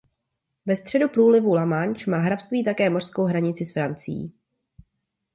Ve středu průlivu La Manche má hrabství také mořskou hranici s Francií.